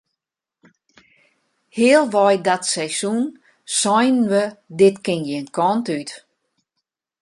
Healwei dat seizoen seinen we dit kin gjin kant út.